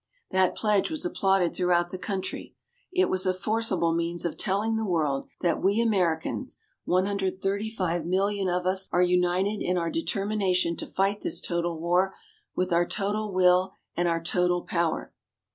That pledge was applauded throughout the country. It was a forcible means of telling the world that we Americans 135,000,000 of us are united in our determination to fight this total war with our total will and our total power.